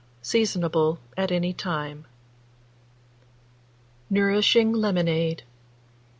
Seasonable at any time. NOURISHING LEMONADE. 1871.